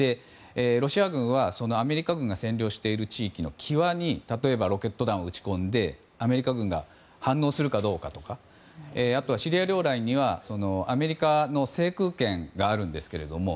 ロシア軍はそのアメリカ軍が占領している地域の際に例えばロケット弾を撃ち込んでアメリカ軍が反応するかどうかやあとはシリア領内にはアメリカの制空権があるんですけれども。